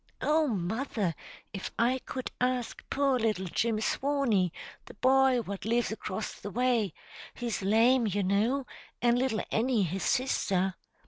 "Oh, mother, if I could ask poor little Jim Swaney, the boy what lives acrost the way he's lame, you know; an' little Annie his sister.